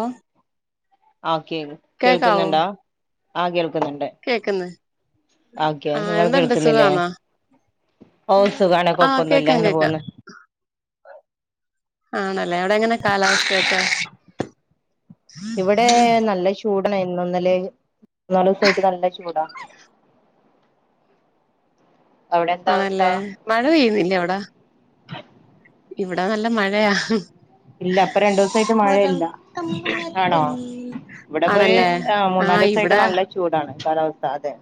ഓ okay, കേക്കാവോ കേൾക്കുന്നുണ്ടോ? ആ കേൾക്ക ക്കുന്നുണ്ട്, കേക്ക്ന്ന് ഓക്കേ ആഹ് നിങ്ങൾക്ക് എന്തുണ്ട് കേൾക്കുന്നില്ലേ? സുഖാന്നോ ഓ സുഖാണ് ആഹ് കൊപ്പൊന്നുവില്ല. കേക്കാം അങ്ങനെ കേക്കാം പോന്ന്. ആണല്ലേ, അവിടെങ്ങനെ കാലാവസ്ഥയൊക്കെ? ചൂടണ ഇന്നുന്നലെ മൂന്നാലുസ്സായിട്ട് നല്ല ചൂടാ. അവിടെ എന്താ അവസ്ഥ ആണല്ലേ? മഴ പെയ്യുന്നില്ലേ അവിടെ? ഇവിടെ നല്ല മഴയാ. ഇല്ല ഇപ്പ രണ്ടു ദിവസായിട്ട് മഴയില്ല, ആണോ ഇവിടെപ്പൊരു ആണല്ലേ മൂന്നല് ആഹ് ദിവസായിട്ട് ഇവിടെ നല്ല ചൂടാണ്, കാലാവസ്ഥ, അതെ.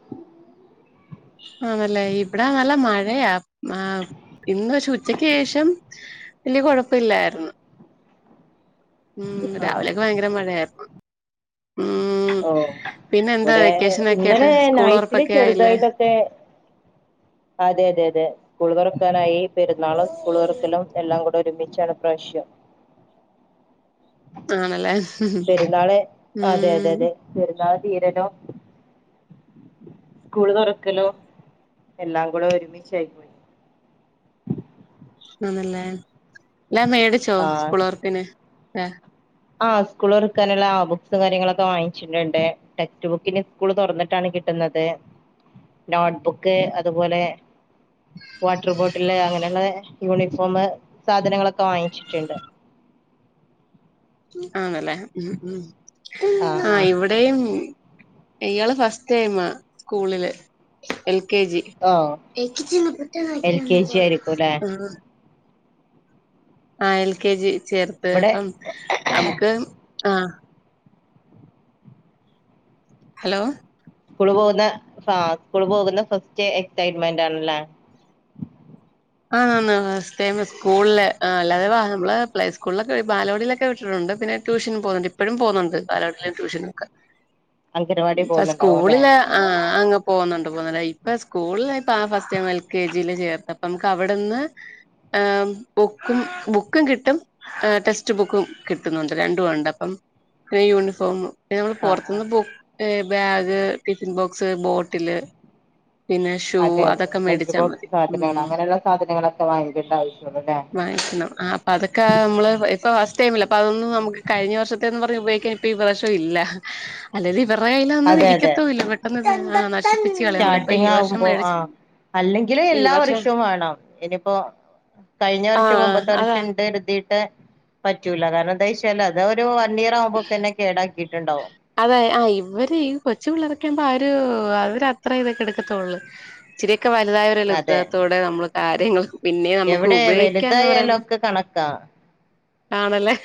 ആണല്ലേ, ഇവിടെ നല്ല മഴയാ, ആ. ഇന്ന്ക്ഷേ ഉച്ചക്ക് ശേഷം വല്യ കൊഴപ്പല്ലായിരുന്നു. ഉം ആണോ രാവിലെയൊക്കെ ഭയങ്കര മഴയാരുന്നു. ഓ പിന്നെ എന്താ ഇവിടെ വെക്കേഷനൊക്കെ ആയിട്ട് ഇന്നലെ സ്കൂൾ നൈറ്റില് തൊറപ്പൊക്കെ ആയില്ലേ ചെറുതായിട്ടൊക്കെ അതെ അതെ അതെ സ്കൂൾ തുറക്കാനായി പെരുന്നാളും സ്കൂൾ തുറക്കലും എല്ലാം കൂടെ ഒരുമി ച്ചാണിപ്രാവശ്യം. ആണല്ലേ? അതെ അതെ ഉം അതെ പെരുന്നാൾ തീരലും സ്കൂള് തുറക്കലോ എല്ലാം കൂടെ ഒരുമിച്ചായിപ്പോയി. ആന്നല്ലേ, എല്ലാം മേടിച്ചോ സ്കൂള് തൊറപ്പിന്. ആ സ്കൂള്തൊറക്കാനുള്ള ആ ബുക്സും കാര്യങ്ങളൊക്കെ വാങ്ങിച്ചിട്ടുണ്ട്, ടെക്സ്റ്റ് ബുക്കിനി സ്കൂള് തുറന്നിട്ടാണ് കിട് ട്ടുന്നത് നോട്ട്ബുക്ക് അതുപോലെ വാട്ടർ ബോട്ടില് അങ്ങനെള്ള യൂണിഫോമ് സാധനങ്ങളൊക്കെ വാങ്ങിച്ചിട്ടുണ്ട്. ആണല്ലേ, ഉം ഉം ആഹ് ആ ആഹ് ഇവിടെയും ഇയാള് ഫസ്റ്റ് ടൈമാ സ്കൂളില് എൽ കെ ജി. [inaudible] ഓ എൽ കെ ജി ആയിരിക്കും അല്ലെ ആ, എൽ കെ ജി ചേർത്ത്, ഇവിടെ അപ്പം നമുക്ക് ആ. ഹലോ സ്കൂളി പോകുന്ന ആ സ്കൂള് പോകുന്ന ഫസ്റ്റ് എക്സൈറ്റ്മെന്റ് ആണല്ലേ? ആണ് ഫസ്ടൈമ് സ്കൂളില് അല്ലാതെ വ നമ്മള് പ്ലേകൂളിലൊക്കെ, ബാലവാടിലൊക്കെ വിട്ടിട്ടുണ്ട്. പിന്നെ ട്യൂഷന് പോകുന്നുണ്ട് ഇപ്പഴും പോകുന്നുണ്ട്, ബാലവാടീലും ട്യൂഷനുവൊക്കെ. അംഗനവാടി പ പോകുന്നുണ്ടാവും അല്ലെ സ്കൂളില് ആ അങ്ങ് പോകുന്നുണ്ട് പോന്നോണ്ട് ആ ഇപ്പ സ്കൂളില ഇപ്പം ആ ഫസ്റ്റ് ടൈം എൽ കെ ജിൽ ചേർത്ത അപ്പമ്മക്കവിടുന്ന് ബുക്കും, ബുക്കും കിട്ടും ടെക്സ്റ്റ് ബുക്കും കിട്ടുന്നുണ്ട് രണ്ടും ഒണ്ട് അപ്പം പിന്നെ യൂണിഫോമും. പിന്നെ നമ്മൾ ആ ആ പൊറത്തുന്ന് book bag tiffin box bottle പിന്നെ ഷൂ അതെ അതെ അതൊക്കെ ലഞ്ച് മേടിച്ചാ ബോക്സ് മതി സാധനങ്ങൾ ഉം. അങ്ങനെയുള്ള സാധനങ്ങളൊക്കെ വാങ്ങിക്കേണ്ട ആവശ്യമുള്ളൂ അല്ലേ വാങ്ങിക്കണം, ആ അപ്പൊ അതൊക്കെ നമ്മള് പ്പ ഫസ്ടൈമല്ലേ അപ്പൊ അതൊന്നും നമുക്ക് കഴിഞ്ഞ വർഷത്തെന്ന് പറഞ്ഞുപയോഗിക്കാൻ ഇപ്പൊഈ വർഷം ഇല്ല, അല്ലേലും ഇവർടെ കയ്യിലതൊന്നും അതെ അതെ ഇരിക്കത്തുവില്ല പെട്ടെന്ന് തീരും സ്റ്റാർട്ടിങ് ആകുമ്പോ ആ, അല്ലെങ്കിലും ഈ എല്ലാ വർഷം വർഷവും കാണാം, ഇനിപ്പോ കഴിഞ്ഞ വർഷം ആഹ് മുമ്പത്തെ അതാ വർഷം ഇണ്ട്ന്നരിതീട്ട് പറ്റൂല, കാരണം എന്താച്ചാല് അതവരു വൺ ഇയർ ആവുമ്പോക്കെന്നെ കേടാക്കിട്ടുണ്ടാവും. അതെ ആ ഇവര് ഈ കൊച്ചു പിള്ളേരൊക്കെവമ്പോ അവരു അവരത്രേ ഇതൊക്കെ എടുക്കത്തൊള്ളൂ ഇച്ചിരി ഒക്കെ വലുതായവരല്ലേ അതെ ഉത്തരവാദിത്തോടെ നമ്മള് കാര്യങ്ങൾ പിന്നെ നമുക്ക് എവിടെ ഉപയോഗിക്കാം എന്ന് പറയാ വലുതായാലൊക്കെ കണക്കാ ആണല്ലേ.?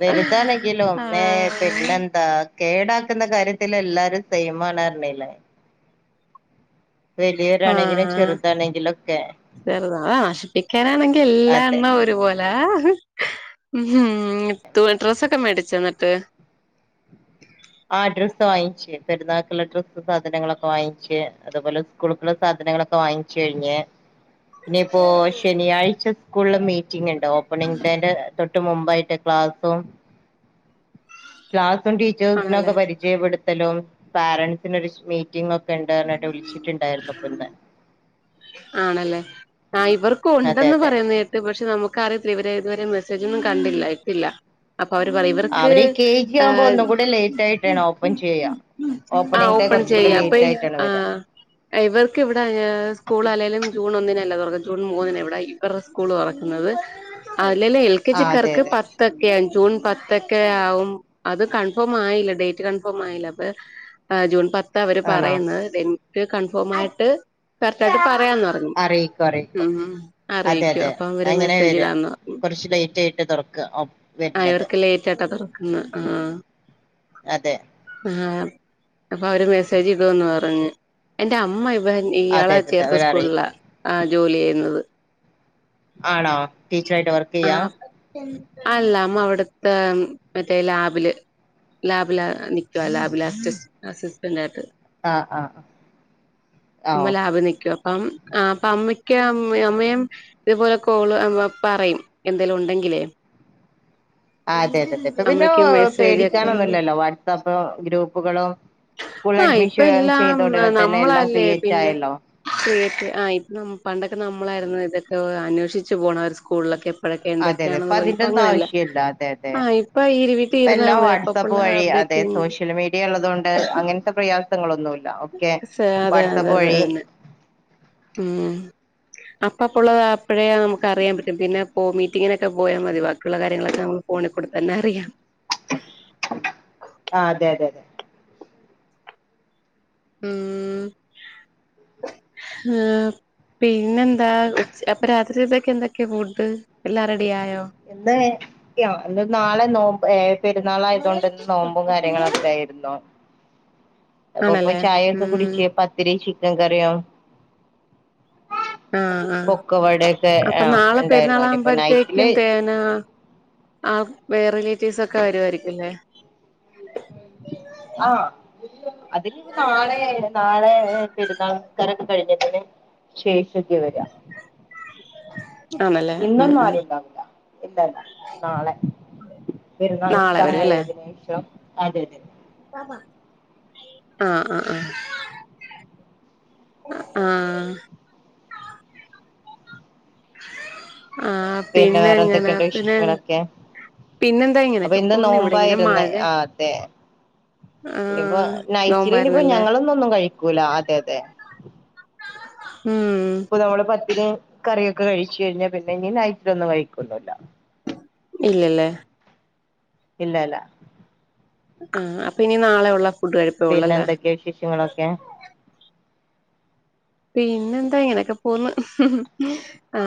വലുതാണെങ്കിലും മ്മേ ആഹ് പിന്നെന്താ..? കേടാക്കുന്ന കാര്യത്തിൽ എല്ലാരും സെയിമാണ് അറഞ്ഞിലെ വലിയോരാണെങ്കിലും ആഹ് ചെറുതാണെങ്കിലും ക്കെ ചെറുതാ അാ നശിപ്പിക്കാനാണെങ്കി എല്ലാം അതെ എണ്ണ ഒരു പോലെ! ഉം ഹ് ഡ്രസ്സൊക്കെ മേടിച്ചോ ന്നിട്ട് ആ ഡ്രസ്സ് വാങ്ങിച്ചു പെരുന്നാക്കുള്ള ഡ്രസ്സ് സാധനങ്ങളൊക്കെ വാങ്ങിച്ച് അതുപോലെ സ്കൂൾക്കുള്ള സാധ നങ്ങളൊക്കെ വാങ്ങിച്ച് കഴിഞ്ഞ് [unintelligible] ഇനിയിപ്പോ ശനിയാഴ്ച സ്കൂളിൽ മീറ്റിംഗ് ഉണ്ട് ഓപ്പണിഗ് ഡേ ന്റെ തൊട്ട് മുമ്പ് ക്ലാ ക്ലാസും ക്ലാസും ആണല്ലേ ടീച്ചേസിനക്കെ പരിചയപ്പെടു ടുത്തലും പോരൻസിനൊരു മീറ്റിംഗ് ഒക്കെ ഉണ്ട് പറഞ്ഞിട്ട് വിളിച്ചിട്ടുണ്ടായിരുന്നു ഇന്ന് ആണല്ലേ ആ ഇവർക്ക അതെ ഉണ്ടെന്ന് അതെ പറയുന്ന കേട്ട് പക്ഷെ നമുക്കറിയ ഇവരെ ഇതുവരെ മെസ്സേജ് ഒന്നും കണ്ടില്ല ഇട്ടില്ല. അപ്പൊ അവര് പറയും ഇവർക്ക് അവര് കെ ജി ആവുമ്പോ ഒന്നും കൂടെ ലേറ്റ് ആയിട്ടാണ് ഓപ്പൺ ചെയ്യാ ആ ഓപ്പണിംഗ് ഡേ ഓപ്പൺ കുറച്ചും കൂടെ ചെയ്യാ പ്പോ ലേറ്റ് ആയിട്ടാണ് ആ വരാ ഇവർക്ക് ഇവിടെ സ്കൂ അല്ലേലും ജൂൺ ഒന്നിനല്ല തുറക്കുന്നെ ജൂൺ മൂന്നിനു ഇവിടെ ഇവരെ സ്കൂൾ തുറക്കുന്നത് അല്ലേലും എൽ കെ ആ അതെ ജിക്കാർക്ക് അതെ പത്തൊക്കെ ആ- ജൂൺ പത്തൊക്കെ ആവും അത് കൺഫേം ആയില്ല ഡേറ്റ് കൺഫേം ആയില്ല അപ്പ ജൂൺ പത്ത് അവര് ആണോ പറയുന്നത് ഡേറ്റ് കൺഫേമായിട്ട് കറക്റ്റ് ആയിട്ട് പറ- പറയാന്ന് പറഞ്ഞ് അറിയിക്കും അറിയിക്കും അതെ അറിയിക്കോ അതെ അപ്പ അവര് അങ്ങനെ മെസ്സേജ് വരാ ഇടാന്ന് പറഞ്ഞു കുറച്ച് ലേറ്റ് ആയിട്ട് തുറക്ക ആ വരുന്നത് ഇവർക്ക് ലേറ്റ് ആയിട്ടാ തൊറക്കുന്നെ ആഹ് ആഹ് അതെ അപ്പൊ അവര് മെസ്സേജ് ഇടൂന്ന് പറഞ്ഞ് എന്റെ അമ്മ ഇവ അതെ ഇയാളെ- അതെ ചേർത്ത അവര് സ്കൂളിലാ അറിയിക്കും ആ ജോലി ചെയ്യുന്നത്. ആണോ ടീച്ചറായിട്ട് വർക്ക് ആ ചെയ്യാ അല്ല അമ്മ അവിടെ- ത്തെ മറ്റേ ലാബില്- ലാബില നിക്കുവാ ലാബില്അസ് അസിസ്റ്റന്റ ആയിട്ട്. ആഹ് ആഹ് ആഹ് അമ്മ ഓഹ് ലാബിൽ നിക്കുവാ അപ്പം [unintelligible] അമ്മയും ഇതുപോലെ കോള് പറയും എന്തേലും ഉണ്ടേ ണ്ടെങ്കിലേ ആഹ് അതെ അതെ അതെ ഇപ്പ പിന്നെ പേടിക്കാനൊന്നുല്ലല്ലോ വാട്സാപ്പ് ഗ്രൂപ്പുകളും സ്കൂൾ ആഹ് ഇപ്പൊ അഡ്മിഷൻ എല്ലാം ചെയ്ത ഉടനെ തന്നെ എല്ലാം നമ്മളല്ലേ ക്രിയേറ്റ് പിന്നെ ആയല്ലോ? ക്രിയേറ്റ് ആ ഇപ്പൊ പണ്ടൊക്കെ നമ്മളായിരുന്നു ഇതൊക്കെ അന്വേഷിച്ചു പോണം സ്കൂളിലൊക്കെ അപ്പഴൊക്കെ അതെ അതെ ഇപ്പൊ എന്തൊക്കെയാണുള്ളത് അതിന്റെ ഇപ്പ ഒന്നും അങ്ങനെയല്ല ആവശ്യമില്ല അതെ അതെ ആ ഇപ്പൊ ഇരുവീട്ടീ ഇപ്പ ഇരുന്നാ എല്ലാം മതി വാട്സാപ്പ് അപ്പപ്പള്ള വഴി അപ് അതെ സോഷ്യൽ മീഡിയ ഉള്ളതുകൊണ്ട് അങ്ങൻത്തെ പ്രയാസങ്ങളൊന്നുല്ല. അതെ അതെ അതെന്നെ ഉം അപ്പ അപ്പോ ഉള്ളത് അപ്പോഴേ നമുക്കറിയാൻ പറ്റും പിന്നെ പോ മീറ്റിങ്ങിനൊക്കെ പോയാൽ മതി ബാക്കിയുള്ള കാര്യങ്ങളൊക്കെ നമുക്ക് ഫോണിക്കൂടിത്തന്നെ അറിയാം. ആഹ് അതെ അതെ അതെ ഉം ഹേ പിന്നെന്താ ഉച്ച അപ്പൊ രാത്രി എന്തൊക്കെയാ ഫുഡ് എല്ലാം റെഡിയായോ? ഇന്ന് നാളെ നോമ്പ് ഏ പെരുന്നാളായത് കൊണ്ടിന്ന് നോമ്പും കാര്യങ്ങളോക്കെ ആയിരുന്നു. ഇരുന്നോ അപ്പൊ ഇപ്പൊ ആണല്ലേ ചായ ഒക്കെ ഉം കുടിച്ച് പത്തിരി ചിക്കൻ കറിയും ആഹ് ആഹ് പൊക്കവടയൊക്കെ അപ്പൊ ആ നാളെ ഉണ്ടായിരുന്നു ഇനിയിപ്പോ നൈറ്റില് പെരുന്നാളാകുമ്പോഴത്തേക്കും തേനാ ആഹ് വേറെ റിലേറ്റീവ്സ് ഒക്കെ വരുാവായിരിക്കുല്ലേ? ആഹ് അതിനിപ്പോ നാളെ നാളെ പെരുന്നാള് നിസ്കാരൊക്കെ കഴിഞ്ഞിട്ടെന്നെ ശേശൊക്കേ വരാ ആണല്ലേ ഉം ഇന്നൊന്നും ഉം ആരും ഉണ്ടാവില്ല ഇല്ലല്ല നാളെ പെരുന്നാൾ നാളെ നിസ്കാരം കഴിഞ്ഞതിന് ശേഷം അതെ അതെ ആ ആ ആ അ ആ ആ പിന്നെ വേറെ പിന്നെങ്ങനെ എന്തൊക്കെയുണ്ട് പിന്നെ വിശേഷങ്ങളൊക്കെ പിന്നെന്താ അപ്പൊ ഇങ്ങനെയൊക്കെ ഇന്ന് പോന്ന് ഇവിടെ ഇങ്ങനെ മഴ ഇനിപ്പോ ആഹ് നൈറ്റിലിനിപ്പോ നോമ്പായിരുന്നല്ലേ ഞങ്ങളൊന്നും ഒന്നും കഴിക്കൂല അതെതെ [unintelligible] ഇപ്പൊ നമ്മള് പത്തിരീം കറിയൊക്കെ കഴിച്ചു കഴിഞ്ഞാ പിന്നെ ഇനി നൈറ്റിലൊന്നും കഴിക്കൊന്നുല്ല ഇല്ലല്ലേ ഇല്ല ല്ല ആ അപ്പൊ ഇനി നാളെയൊള്ളസ് പിന്നെ എന്തൊക്കെയാ വിശേഷങ്ങളൊക്കെ പിന്നെന്താ ഇങ്ങനെയൊക്കെ പോന്ന് ആ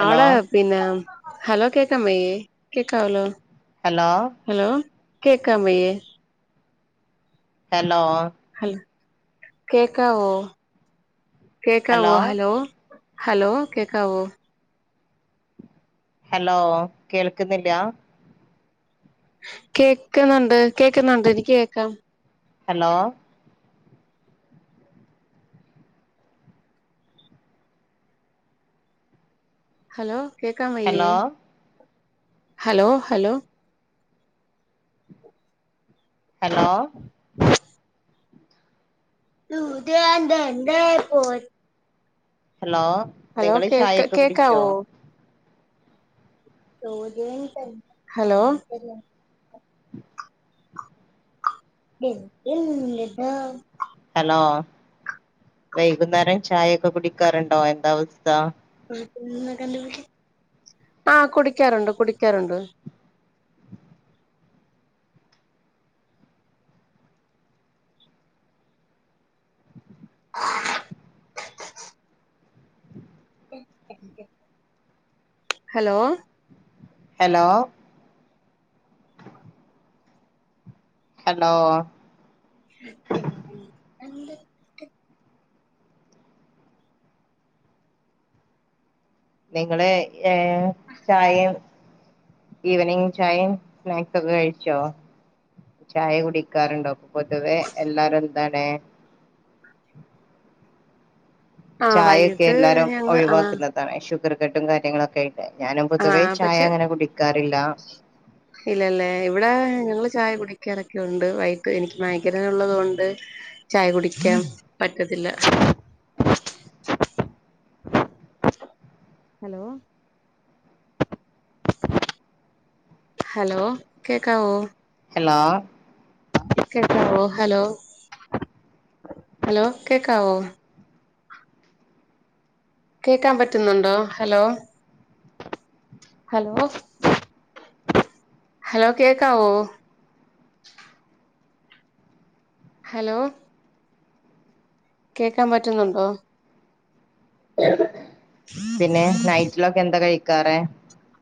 ഹലോ അവടെ പിന്നെ ഹലോ കേക്കാൻ വയ്യേ കേക്കാവല്ലോ ഹലോ കേക്കാൻ വയ്യേ ഹലോ ഹലോ കേക്കാവോ കേക്കാവോ ഹലോ ഹലോ കേക്കാവോ ഹലോ കേൾക്കുന്നില്ലാ കേക്കുന്നുണ്ട് കേക്കുന്നുണ്ട് എനിക്ക് കേക്കാം ഹലോ ഹലോ കേക്കാൻ വയ്യേ hello hello hello hello [unintelligible] hello hello നിങ്ങള് കേക്ക ചായയൊക്കെ കുടിച്ചോ കേക്കാവോ ഹലോ ഹലോ വൈകുന്നേരം ചായൊക്കെ കുടിക്കാറുണ്ടോ എന്താ അവസ്ഥ ആഹ് കുടിക്കാറുണ്ട് കുടിക്കാറുണ്ട് ഹലോ ഹലോ ഹലോ നിങ്ങള് ഏ ചായയും ഈവനിങ് ചായയും സ്നാക്സ് ഒക്കെ കഴിച്ചോ ചായ കുടിക്കാറുണ്ടോ പൊതുവെ എല്ലാരും എന്താണ് ആ ചായയൊക്കെ വൈകിട്ട് എല്ലാരും ഞങ്ങള് ആ ഒഴിവാക്കുന്നതാണ് ഷുഗർ കട്ടും കാര്യങ്ങളൊക്കെയായി ആ പക്ഷെ ഇല്ലല്ലേ ഇവിടെ ഞങ്ങൾ ചായ കുടിക്കാറൊക്കെ ഉണ്ട് വൈകിട്ട് എനിക്ക് മൈഗ്രൈൻ ഉള്ളത് കൊണ്ട് ചായ കുടിക്കാൻ പറ്റു ത്തില്ല ഹലോ ഹലോ കേക്കാവൊ ഹലോ കേക്കാവോ ഹലോ ഹലോ കേക്കാവോ കേക്കാൻ പറ്റുന്നുണ്ടോ? Hello, hello. ഹലോ, കേക്കാവോ? ഹലോ, കേക്കാൻ പറ്റുന്നുണ്ടോ? പിന്നെ നൈറ്റിലൊക്കെ എന്താ കഴിക്കാറ്?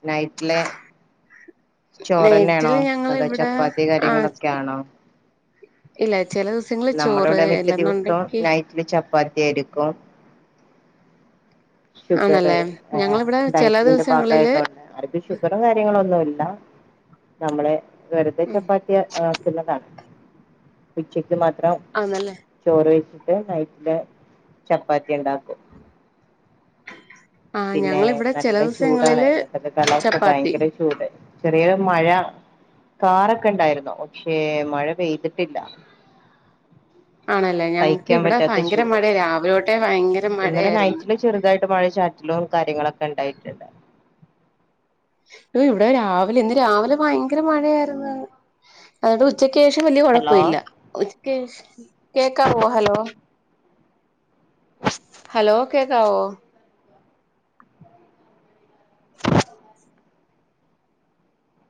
നൈറ്റ്ലെ ചോറ്ന്നെയാണോ? നെറ്റില് ഞങ്ങൾ അതോ ഇവിടെ ചപ്പാത്തി കാര്യങ്ങളൊകെയാണോ? ഇല്ലേ നമ്മള ഇവിടെ മിക്ക ദിവസം നൈറ്റില് ചപ്പാത്തി ആരിക്കും ഷുഗർ, ആണല്ലേ ഞങ്ങളിവിടെ ചില ഡയറ്റിന്റെ ഭാഗമായിട്ട് ദിവസങ്ങളില് ആർക്കും ഷുഗറും കാര്യങ്ങളോന്നും ഇല്ല. നമ്മളെ വെറുതെ ഉം ചപ്പാത്തി ആക്കുന്നതാണ്. ഉച്ചക്ക് മാത്രം ആന്നല്ലേ ചോറ് വെച് ട്ട് നൈറ്റില് ചപ്പാത്തി ഉണ്ടാക്കും. ആഹ് പിന്നെ ഞങ്ങളിവിടെ ചില നല്ല ചൂടാണ് ദിവസങ്ങളില് ഇന്നത്തെയൊക്കെ കാലാവസ്ഥ ചപ്പാത്തി ഭയങ്കര ചൂട്. വേയം മഴ. കാറൊക്കെ ഉണ്ടായിരുന്നോ പക്ഷെ മഴ പെയ്തിട്ടില്ല. ആണല്ലേ ഞങ്ങക്ക് സഹിക്കാൻ ഇവിടെ പറ്റാത്ത ഭയങ്കര ചൂട് മഴയ രാവിലെ തൊട്ടേ ഭയങ്കര ഇന്നലെ മഴയായിരുന്നു നൈറ്റില് ചെറുതായിട്ട് മഴ ചാറ്റി ലോൺ കാര്യങ്ങളൊക്കെ ഉണ്ടായിട്ടുണ്ട് ഇവിടെ രാവിലെ ഇന്ന് രാവിലെ ഭയങ്കര മഴയായിരുന്നു. അത് ഉച്ചക്ക് ഉച്ചക്ക് ശേഷം വലിയ കൊഴപ്പമില്ല ഹലോ ഉച്ചക്ക് ശേ കേക്കാവോ? ഹലോ. ഹലോ, കേക്കാവോ?